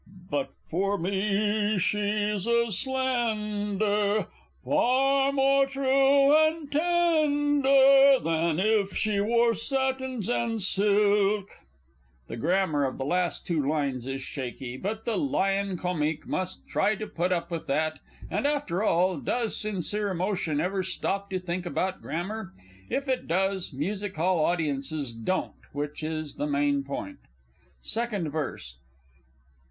"_ But, for me, she's as slend ar far more true and tend ar, Than if she wore satins and silks! [_The grammar of the last two lines is shaky, but the Lion Comique must try to put up with that, and, after all, does sincere emotion ever stop to think about grammar? If it does, Music hall audiences don't which is the main point._ _Second Verse.